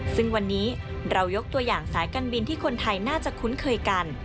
ซึ่งวันนี้เรายกตัวอย่างสายการบินที่คนไทยน่าจะคุ้นเคยกัน